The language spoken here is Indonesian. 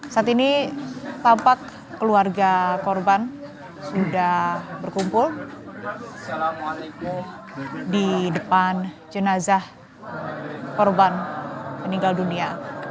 saat ini tampak keluarga korban sudah berkumpul di depan jenazah korban meninggal dunia